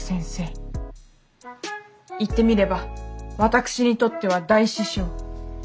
言ってみれば私にとっては大師匠。